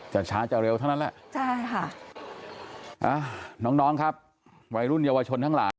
จะช้าจะเร็วเท่านั้นแหละใช่ค่ะน้องน้องครับวัยรุ่นเยาวชนทั้งหลาย